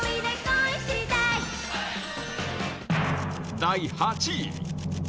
第８位。